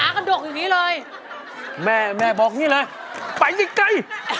ขากระดกอย่างนี้เลยแม่บอกนี่แหละไปไกล